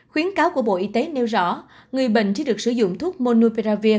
khuyến cáo của bộ y tế nêu rõ người bệnh chỉ được sử dụng thuốc monupravir